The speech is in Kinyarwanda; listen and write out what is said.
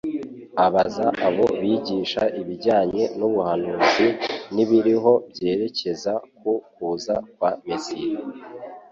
Abaza abo bigisha ibijyanye n'ubuhanuzi, n'ibiriho byerekeza ku kuza kwa Mesiya